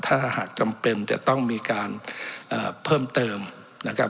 ถ้าหากจำเป็นจะต้องมีการเพิ่มเติมนะครับ